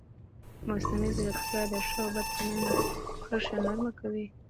مصنوعي ځیرکتیا د ښه او بد ترمنځ کرښه نرمه کوي.